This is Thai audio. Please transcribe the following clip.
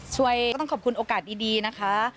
ก็ต้องขอบคุณโอกาสดีนะคะ